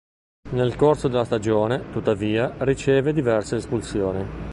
Nel corso della stagione, tuttavia, riceve diverse espulsioni.